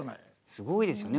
すごいですよね